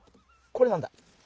これなんだ？